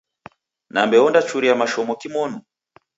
Nambe ondachuria mashomo kimonu?